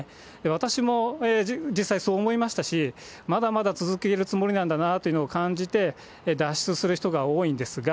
私も実際そう思いましたし、まだまだ続けるつもりなんだなというのを感じて、脱出する人が多いんですが。